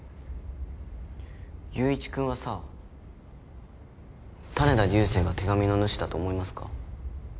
友一くんはさ種田流星が手紙の主だと思いますか？